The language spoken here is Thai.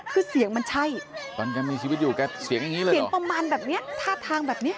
คือเสียงมันใช่ตอนแกมีชีวิตอยู่แกเสียงอย่างนี้เลยเสียงประมาณแบบเนี้ยท่าทางแบบเนี้ย